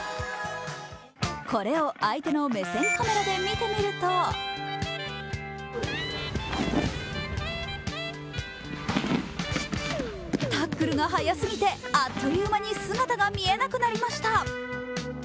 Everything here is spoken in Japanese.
これを相手の目線カメラで見てみるとタックルが速すぎてあっという間に姿が見えなくなりました。